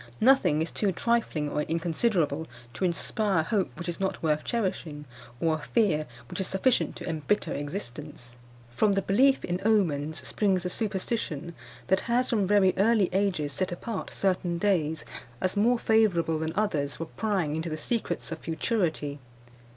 Nothing is too trifling or inconsiderable to inspire a hope which is not worth cherishing, or a fear which is sufficient to embitter existence. From the belief in omens springs the superstition that has, from very early ages, set apart certain days, as more favourable than others, for prying into the secrets of futurity.